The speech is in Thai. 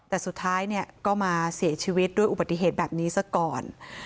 แต่สุดท้ายเนี่ยก็มาเสียชีวิตด้วยอุบัติเหตุแบบนี้ซะก่อน